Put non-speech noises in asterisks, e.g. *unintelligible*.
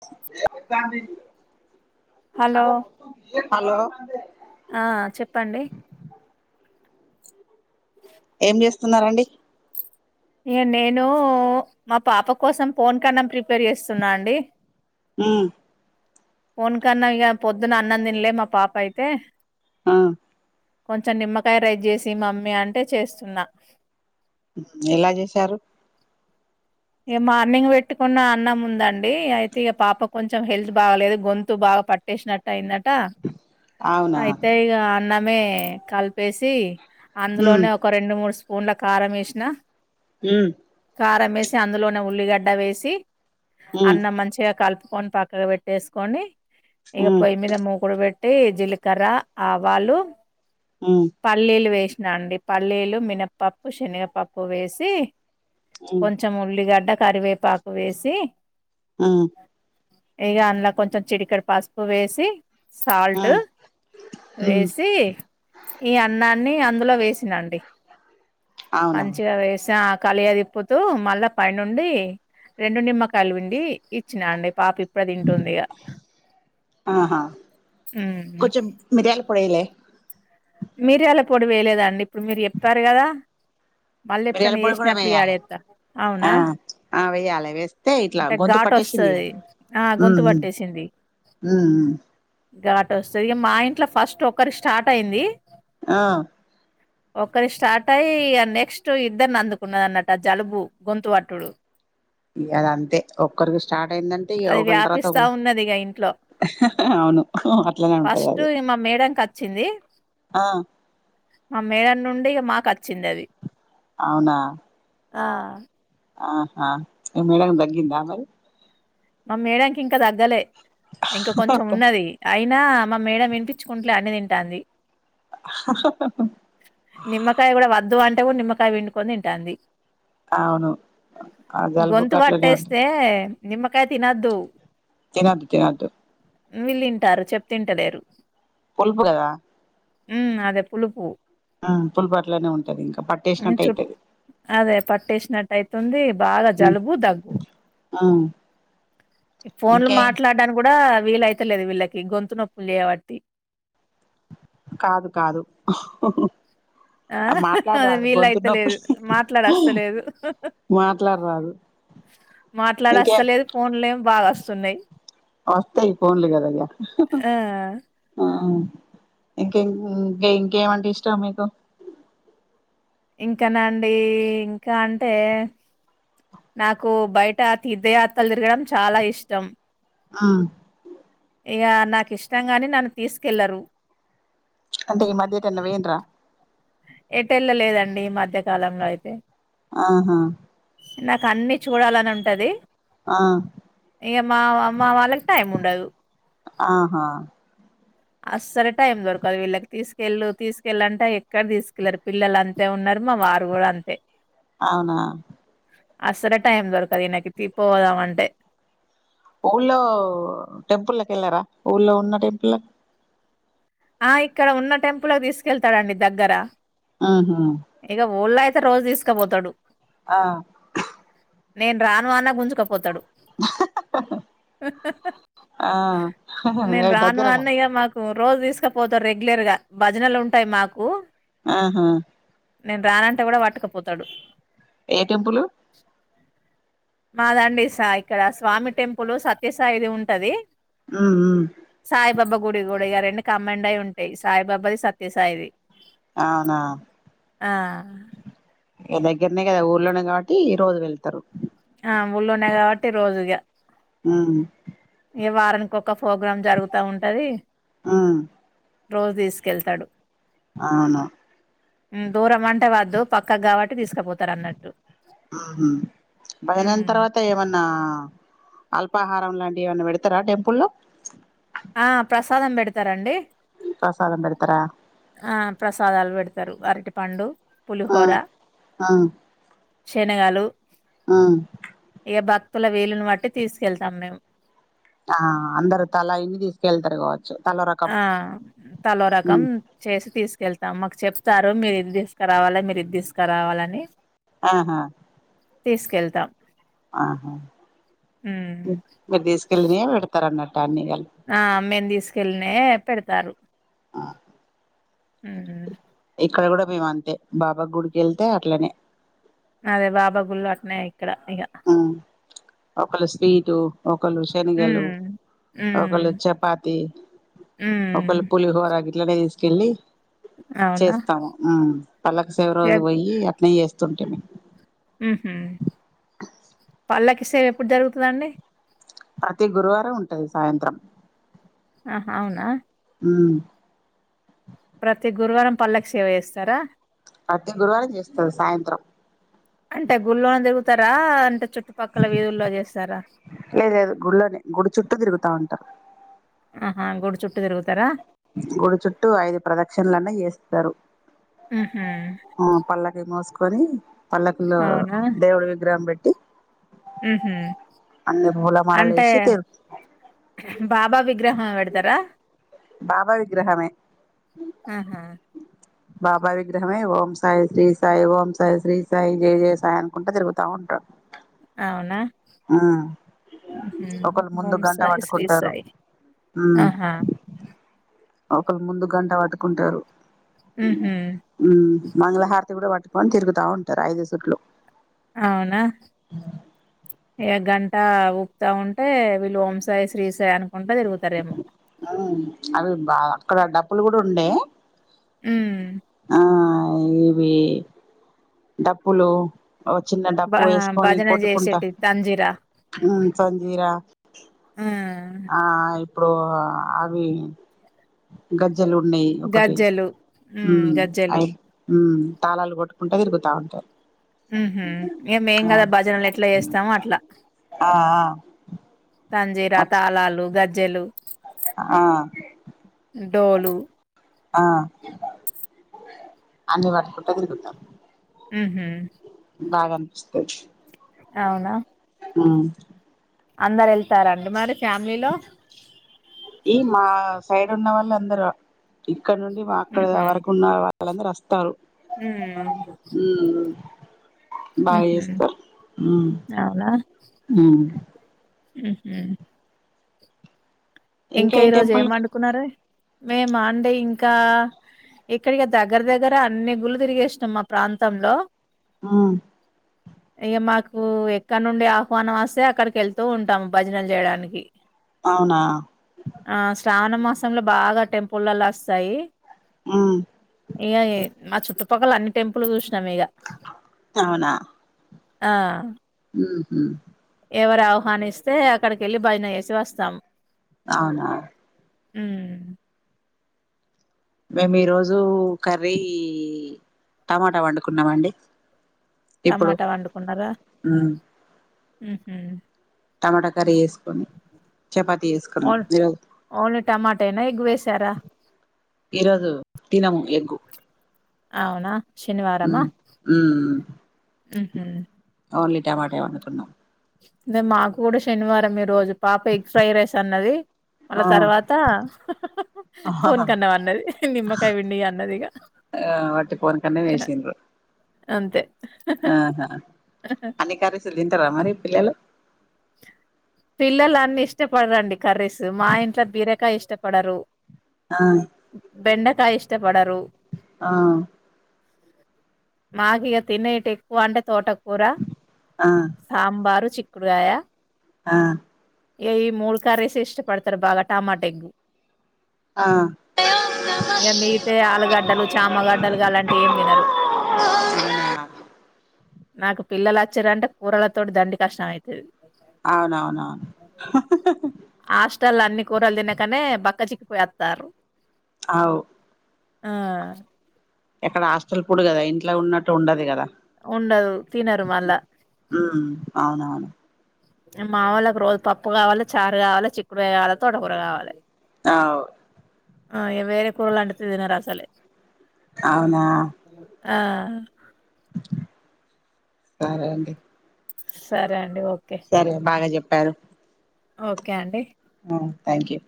*unintelligible* Hello hello ఆ చెప్పండి ఏం చేస్తున్నారండీ నేను మా పాప కోసం పోనికన్నం ప్రిపేర్ చేస్తున్నా అండి హమ్ పోనికన్నం ఇగ పొద్దున అన్నం తినలే మా పాప అయితే అ కొంచెం నిమ్మకాయ రైస్ చేసి మమ్మీ అంటే చేస్తున్నా ఎలా చేసారు ఇగ మార్నింగ్ పెట్టుకున్న అన్నం ఉందండి అయితే ఇక పాప కొంచెం హెల్త్ బాగలేదు గొంతు బాగదు పట్టేసినట్టు అయినట్టు ట్ట అవునా అయితే ఇగ అన్నమే కలిపేసి ఉమ్ అందులోనే ఒక రెండు మూడు స్పూన్ల కారం వేసిన ఉమ్ కారం వేసి అందులోనే ఉల్లిగడ్డ వేసి ఉమ్ అన్నం మంచిగా కలుపు కొని పక్కగా పెట్టేసుకొని ఇక ఉమ్ పొయ్యి మీద మూకుడు పెట్ జీలకర్ర ఆవాలు ఉమ్ పల్లీలు వేస్ అండి పల్లీలు మినపప్పు శనగపప్పు వేసి ఉమ్ కొంచెం ఉల్లిగడ్డ కరివేపాకు వేసి ఉమ్ ఇక అందులో కొంచెం చిడికడి పసుపు వేసి సాల్ట్ ఉమ్ ఉమ్ వేసి ఈ అన్నాన్ని అందులో వేసి అండి అవునా మంచిగా వేసా కలియదిప్పుతూ మళ్ళా పైనుండి రెండు నిమ్మకాయలు పిండి ఇచ్చినా అండి పాప ఇప్పుడు తింటుంది ఇక ఆహా కొంచెం మిరియాలిపుడలే మిరియాలపొడి వేయలేదు అండి ఇప్పుడు మీరు చెప్పారు కదా మళ్ళ మిరియాల ఎపుడన పొడి కూడా చేసినప్పుడు వేయాలి ఆడేస్త ఆ అవునా ఆ వేయాలి వేస్తే ఇట్లా అంటే గొంతు గాటు *unintelligible* పట్టేసింది వస్తుంది ఆ గొంతు పట్టేసింది ఆ ఘాటు వస్తుంది ఇక మా ఇంట్లో ఫస్ట్ ఒకరి స్టార్ట్ అయింది ఆ ఒక్కరి స్టార్ట్ అయి ఆ నెక్స్ట్ ఇద్దరిని అందుకున్నది అన్నట్ట ఆ జలుబు గొంతు అట్టుడు *inaudible* ఇ అద అంతే ఒక్కరికి స్టార్ట్ అయిందంటే ఇ అది ఒకళ తర్వాత వ్యాపిస్తా ఒకళ ఉన్నది ఇగ ఇంట్లో అవును అట్లనే ఉంటది ఫస్ట్ అది ఇగ మా మేడంకి ఆ ఆ మేడమ్ నుండి ఇక మాకు వచ్చింది అది అవునా ఆ ఆహా మీ మేడం కి తగ్గిందా ఆ మరి మా మేడమ్ కి ఇంకా తగ్గలే ఇంకా కొంచెం ఉన్నది అయి నా మా మేడమ్ వినిపించుకుంటలే అన్ని తింటాంది నిమ్మకాయ కూడా వద్దు అంట అ నిమ్మకాయ పిండుకొని తింటండి అవును ఆ జలుబుకు గొతు అట్లనే ఉంటది బట్టేస్తే నిమ్మకాయ తినద్దు తినద్దు తినద్దు వీళ్ళింటారు చెప్తే వింటలేరు పులుపు కదా ఉ అదే పులుపు ఉమ్, పులుపు అట్లనే ఉంటది ఇంకా పట్టేసినట్టు చు అయితది అదే పట్టసినట్ అయితే బాగా ఉమ్, జలుబు దగ్గు ఉమ్. ఈ ఫోన్లు ఇంకేం మాట్లాడడానికి కూడా కూడా వీలయితలేదు వీళ్ళకి గొంతు నొప్పులు చేయబట్టి కాదు కాదు ఆ! మాట్లాడరాదు గొంతు నొప్పి వీలైతలేదు. మాట్లాడస్తలేదు. మాట్లాడరాదు ఇంకేం మాట్లాడస్తలేదు. ఫోన్లు ఏమో బాగా వస్తున్నాయి. వస్తాయి. పోన్లగద ఇగ ఆ! ఇంకేం ఇంకేమంటే ఇష్టం మీకు. ఇంకనండి ఇంకా అంటే నాకు బయట తీర్థయాత్రలు తిరగడం చాలా ఇష్టం ఆ ఇక నాకు ఇష్టంగాని, నన్ను తీసుకెళ్లరు. అంటే ఈ మధ్య ఎటన్న పోయిండ్రా ఎటుళ్ళలేదండి ఈ మధ్య కాలంలో అయితే. ఆహా! నాకు అన్నీ చూడాలని ఉంటది. ఆ ఇ మాఅమ్మా వాళ్ళకు టైమ్ ఉండదు. ఆహా! అస్సలే టైం దొరకదు వీళ్ళకి తీసుకెళ్ళు తీసుకెళ్ళంటే ఎ ఎక్కడకు తీసుకెళ్లరు పిల్లలు అంతే ఉన్నారు మా వారు కూడా అంతే. ఆహా! అసలే టైం దొరకదు ఈయనకి ట్రిప్ పోదామంటే. ఊళ్ళో టెంపుల్కి వెళ్ళారా? ఊళ్ళో ఉన్న టెంపుల్. ఆ ఇక్కడ ఉన్న టెంపుల్కి తీసుకెత్తాడండి దగ్గర. ఆహా ఇక ఊళ్ళో అయితే రోజూ తీసుకపోతాడు. ఆ! నేను రాను అన్న గుంజుకపోతాడు. అ! హ హ ఆ నేను రాను దగ్గర కదా అన్న ఇగ మాకు రోజూ తీసుకపోతారు రెగ్యులర్ గా భజనలు ఉంటాయి మాకు. ఆహా! నేను రానంటే కూడా పట్టకపోతాడు. ఏ టెంపుల్. మా దాండి, ఇక్కడ స్వామి టెంపుల్ సత్యసాయిది ఉంటాది. ఉమ్ ఉమ్ సాయిబాబా గుడి గుడి గాడే అన్నీ కంబైన్డై ఉంటాయి సాయిబాబాది, సత్యసాయిది. అవునా? ఆ మా దగ్గరనే కదా ఊర్లోనే కాట్టి రోజూ వెళ్తారు. ఊళ్లోనే కాబట్టి రోజు ఇగ ఉమ్! వారానికి ఒక ప్రోగ్రాం జరుగుతా ఉంటాది. ఉమ్ రోజూ తీసుకెళ్తాడు. అవును. దూరం అంటే వద్దు పక్కకు కాబట్టి తీసుకుపోతారు అన్నట్టు. మ్ హు బయల్దేరిన తర్వాత ఏమన్నా అల్ ఉపాహారం లాంటివి ఏవన్న పెడతారా టెంపుల్లో. ఆ ప్రసాదం పెడతారండి ప్రసాదం పెడతారండి. ఆ ప్రసాదాలు పెడతారు అరటి పండు, పులిహోర. అవును. శనగలు మ్! భక్తుల వీలుని బట్టి తీసుకెళ్తాం మేము. ఆ అందరూ తలా ఇన్ని తీసుకెళ్తారు గావచ్చు. ఆ తలో రకం ఉమ్ చేసి తీసుకెళ్తాం మాకు చెప్ ఇస్తారు మీరు ఇది తీసుకురావాలి మీరు ఇది తీసుకురావాలని ఆహా తీసుకెళ్తా ఆహా ఉమ్ విదేశకెళ్ళని పెడతారు అన్నట్టు అన్ని కలిపి ఆ మేను తీసుకెళ్ళిన పెడతారు హు హ్మ్ అక్కడ కూడా మే అంతే బాబా గుడికి వెళ్తే అట్లనే అదే బాబా గులు అట్నే ఇక్కడ ఇక ఆ ఒకళ్ళు స్వీటు. ఒకళ్ళు శనగలు ఉమ్ ఉమ్ ఒకళు చపాతి ఒక ఉమ్ పల ప పోలిహో రాగట్లానే కెళ్ళి అవునా చేస్తాము పల్లక శేవ రజు పోయి అట్నే చేస్తాం టే మీ ఆహమ్ పళ్ళకిసేయం ఎప్పుడు జరుగుతుందండి ప్రతి గురువారం ఉంటది సాయంత్రం ఆ అవునా ఉమ్ ప్రతి గురువారం పల్లకి సేవ చేస్తారా ప్రతి గురువారం చేస్తుంది సాయంత్రం అంటే గుళ్ళనే తిరుగుతారా అంటే చుట్టుపక్కల వీధుల్లో చేస్తారా లేదు లేదు గుడిలోనే గుడి చుట్టూ తిరుగుతా ఉంటారు ఆహా గోడు చుట్టూ తిరుగుతారా గుడి చుట్టూ ఐదు ప్రదక్షిణలలను చేస్తారు ఉహు ఆ పల్లకి మోసుకొని పల్లకుల్లో దేవుడు విగ్రహం పెట్టి ఆహ అన్ని భోలా మారాలే శీత బాబా విగ్రహం పెడతారా బాబా విగ్రహమే ఆహా బాబా విగ్రహమే ఓం సాయి శ్రీ సాయి ఓం సాయి శ్రీ సాయి జయ జయ సాయి అనుకుంటా తరుగుత తౌండ అవునా ఆ హుహు. ఒకళ ముందు ఓం గంట సాయి, శ్రీ పట్టుకుంటారు సాయి. ఆహా! ఒకరు ముందు గంట వతుకుంటారు ఆహమ్ మంగళహారతి కూడా పట్టుకొని తిరుగుతా ఉంటారు ఐదు సుట్లు అవునా ఏ అా ఊపుతా ఉంటే వీళ్ళు ఓంశాయి శ్రీశ అవి బా అక్కడ డబ్బులు కూడా ఉండే ఉమ్ ఆ ఇవి డబులు ఓ చిన్న డబ్పు బా వేసుకొని భజన కొట్టుకుంటా చేసేటివి తంజీరా. ఉ సజీరా ఆ! ఆ ఇప్పుడు అవి గ మజలు ఉన్నాయి ఒకటి గజ్జెలు. హ్మ్. గజ్జెలు. అయి తాళాలు కొట్టుకుంటే తిరుగుతా ఉంటారు ఉహ ఏ మ ఏం కదా భజనలు ఎట్లా చేస్తాముో అట్లా ఆ ఆ ఆ తంజీరా అట్ల తాళాలు గజ్జెలు ఆ డోలు ఆ అన్ని పట్టుకుంట తిరుగుతాం. ఉహూ బాగా అనిపిస్తది. అవునా? ఉం అందరు వెళ్తారండి మరి ఫ్యామిలీలో ఈ మా సైడ్ ఉన్న వాళ్ళు అందరు ఇక్కడ నుండి మా అక్కడ ఉహు ఎవరకు ఉన్న వాళ్ళందరు వస్తారు. ఉమ్ ఉమ్ బాగా ఉహు చేస్తారు, అవునా ఉమ్ ఉహు ఇంకా ఏ ఈ రోజు టెంపుల్ ఏం వండుకున్నారూ మేము అండి ఇంకా ఇక్కడికి దగ్గర దగ్గర అన్ని గుళ్ళు తిరిగేసినాం మా ప్రాంత ప్రాంతంలో ఆ ఇగా మాకు ఎక్కడ నుండి ఆహ్వానం వస్తే అక్కడికి వెళ్తూ ఉంటాము భజనలు చేయడానికి అవునా ఆ శ్రావణ మాసంలో బాగా టెంపుల్లా వస్తాయి. ఉమ్ ఇగా ఆ చుట్టుపక్కల అన్ని టెంపుల్ చూసిన ము ఇగ అవునా ఆ ఉమ్ హు ఎవరు ఆహ్వానిస్తే అక్కడికి వెళ్ళి భజన వేసి వస్తాము. అవునా ఉం మేము ఈరోజు కర్రీ టమాటా వండుకున్నమండి. టమాటా వండుకున్నారా. టమాటా కర్రీ చేసుకొని చపాతి ఓన్ వేసుకొన్నము ఈరోజు ఓన్లీ టమాటేనా ఎగ్ వేసారా ఈరోజు తినము ఎగ్ అవునా శనివారమా ఉహు ఓన్లీ టమాటే వండుకున్నాం. అదే మాకు కూడా శనివారం ఈ రోజు పాప ఎగ్ ఫ్రై రైస్ అన్నది మళ్ళ ఆ తర్వాత ఆహాహా. పోనీకన్నాము అన్నది నిమ కై పిండియి అన్నదిగ అట్టి పోనకన్న వేసిరు అంతే ఆహా అన్ని కర్రీస్ తింటారా మరి పిల్లలు పిల్లలు అన్ని ఇష్టపడరండి కర్రీస్ మా ఇంట్లో బీరేకాయ ఇష్టపడరు. ఆ ఇ ఇష్టపడరు. ఆ మాకు ఇక తినేటి ఎక్కువ అంటే తోట కూర ఆ సాంబారు, చిక్కుడుకాయ. ఆ ఏ్య మూడు కర్రీస్ ఇష్టపడతారు బాగా టమాటెంగు. ఆ ఇక మిగితాయి ఆలుగడ్డలు చామగడ్డలు ఇగ అలాంటివి ఏం తినరు. ఆ నాకు పిల్లలు అచ్చిరంటే కూరలతోటి దండి కష్టం అయితది అవునవునవును ఆష్ ట్టల్ల అన్ని కూరలు తినకనే బక్క చిక్కిపోఅత్తర్రు అవు ఆ ఎక్కడ హాస్టల్ ఫుడ్ కదా ఇంట్ల ఉన్నట్టు ఉండదు కదా ఉండదు తినరు మళ్ళా ఉం అవునవును మా వాళ్ళకు రోజు పప్పు కావాలి చారు కావాలి చిక్కుడుయ్య కావాలా తోట కూర కావాలే. ఆవ్ ఆ ఇగ వేర కూరలండు తె తినరు అసలే అవునా ఆ సరే అండి సరే అండి ఓకే టల్ ఓకే అండి అ థ్యాంక్ యూ